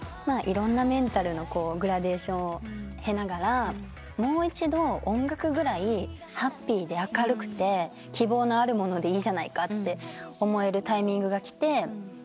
いろんなメンタルのグラデーションを経ながらもう一度音楽ぐらいハッピーで明るくて希望のあるものでいいじゃないかって思えるタイミングがきて。